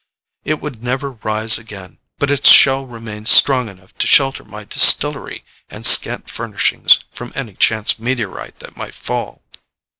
It would never rise again, but its shell remained strong enough to shelter my distillery and scant furnishings from any chance meteorite that might fall.